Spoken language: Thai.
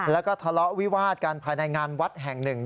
แล้วก็ทะเลาะวิวาดกันภายในงานวัดแห่งหนึ่ง